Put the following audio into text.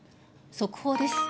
速報です。